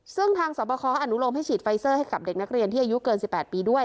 ซึ่งทางสวบคอเขาอนุโลมให้ฉีดไฟเซอร์ให้กับเด็กนักเรียนที่อายุเกิน๑๘ปีด้วย